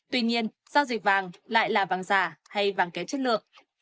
tuy nhiên giao dịch vàng lại là vàng giả hay vàng kéo chất lượng